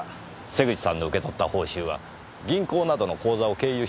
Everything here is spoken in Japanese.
瀬口さんの受け取った報酬は銀行などの口座を経由していません。